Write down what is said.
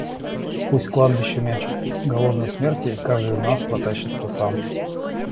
Пусть кладбищами голодной смерти каждый из вас протащится сам!